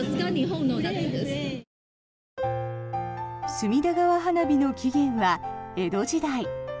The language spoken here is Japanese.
隅田川花火の起源は江戸時代。